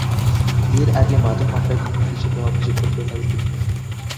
এর আগে মাদক মামলায় ডিবি পুলিশের দেওয়া অভিযোগপত্রেও তার উল্লেখ নেই।